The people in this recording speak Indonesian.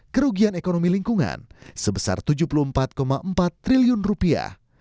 kerugian ekonomi lingkungan sebesar tujuh puluh empat empat triliun rupiah